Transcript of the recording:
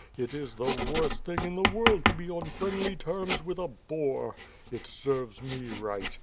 It is the worst thing in the world to be on friendly terms with a boor. It serves me right.